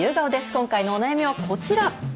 今回のお悩みはこちら。